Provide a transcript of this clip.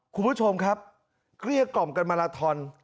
คุณผู้ชมครับเกลี้ยกล่อมกันมาลาทอน